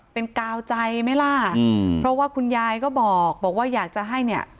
เป็นกาวใจไหมล่ะอืมเพราะว่าคุณยายก็บอกว่าอยากจะให้เนี่ย